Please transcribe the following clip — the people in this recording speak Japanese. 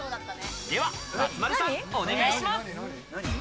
では、松丸さんお願いします。